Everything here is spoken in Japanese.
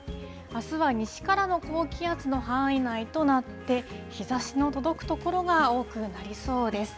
あすは西からの高気圧の範囲内となって、日ざしの届く所が多くなりそうです。